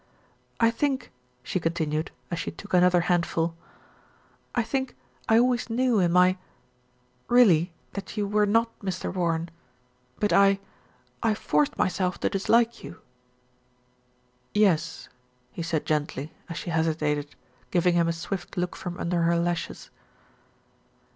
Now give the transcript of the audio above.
"I think," she continued, as she took another hand ERIC PRONOUNCES IT SPIF 349 ful, "I think I always knew in my really, that you were not Mr. Warren; but I, I forced myself to dis like you." "Yes," he said gently, as she hesitated, giving him a swift look from under her lashes.